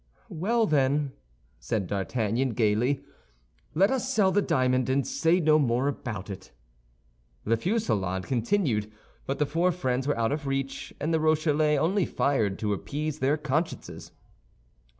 "Well, then," said D'Artagnan, gaily, "let us sell the diamond, and say no more about it." The fusillade continued; but the four friends were out of reach, and the Rochellais only fired to appease their consciences.